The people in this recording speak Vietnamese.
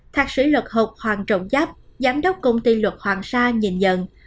thạc sĩ luật học hoàng trọng giáp giám đốc công ty luật hoàng sa nhìn nhận